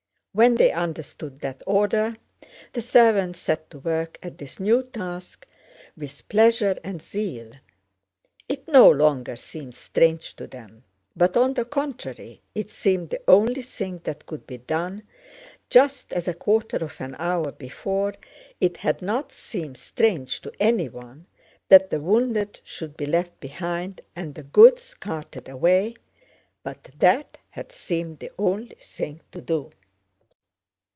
When they understood that order the servants set to work at this new task with pleasure and zeal. It no longer seemed strange to them but on the contrary it seemed the only thing that could be done, just as a quarter of an hour before it had not seemed strange to anyone that the wounded should be left behind and the goods carted away but that had seemed the only thing to do.